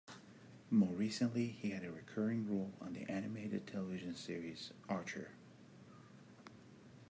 More recently, he had a recurring role on the animated television series "Archer".